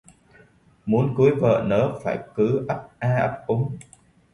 Muốn cưới chị nớ mà cứ ấp a ấp úng